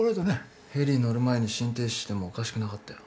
ヘリに乗る前に心停止してもおかしくなかったよ。